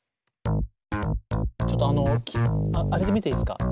ちょっとあのあれで見ていいですか？